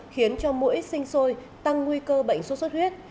khiến cho mũi xinh xôi tăng nguy cơ bệnh suốt suốt huyết